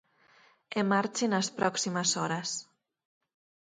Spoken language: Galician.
E marche nas próximas horas.